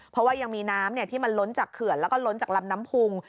เพราะว่ายังมีน้ำที่มันล้นจากเขื่อนแล้วก็ล้นจากลำน้ำพุง